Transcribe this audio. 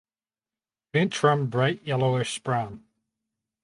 Ventrum bright yellowish brown.